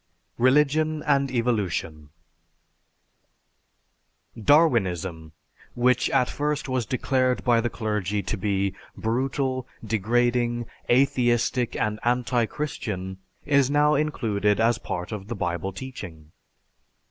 RELIGION AND EVOLUTION Darwinism, which at first was declared by the clergy to be brutal, degrading, atheistic, and anti Christian, is now included as part of the Bible teaching.